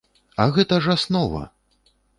А гэта ж аснова!